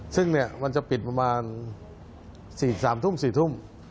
ซึ่งมันจะปิดประมาณ๓ทุ่ม๔ทุ่ม